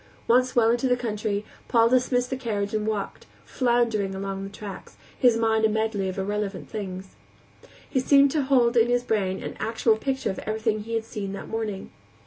Once well into the country, Paul dismissed the carriage and walked, floundering along the tracks, his mind a medley of irrelevant things. He seemed to hold in his brain an actual picture of everything he had seen that morning.